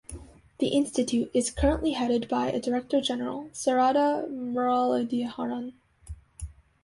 The Institute is currently headed by a director-general, Sarada Muraleedharan.